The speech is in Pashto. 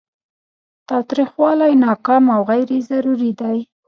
تاوتریخوالی ناکام او غیر ضروري دی.